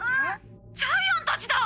ジャイアンたちだ！